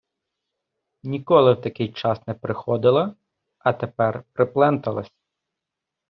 Ніколи в такий час не приходила, а тепер припленталась.